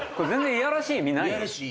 いやらしい意味ないんですよ。